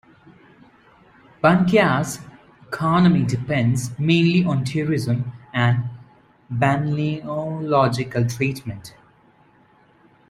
Bankya's economy depends mainly on tourism and balneological treatment.